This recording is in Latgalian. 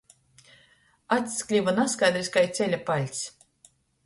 Acs kliva naskaidrys kai ceļa paļts.